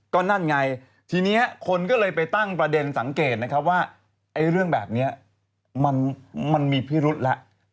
ก็นั่นไงทีนี้คนก็เลยไปตั้งประเด็นสังเกตนะครับว่าเรื่องแบบนี้มันมีพิรุษแล้ว